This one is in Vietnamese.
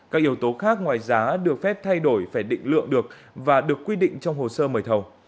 các yếu tố khác ngoài giá được phép thay đổi phải định lượng được và được quy định trong hồ sơ mời thầu